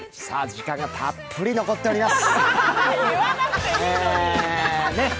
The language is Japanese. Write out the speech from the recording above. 時間がたっぷり残っております。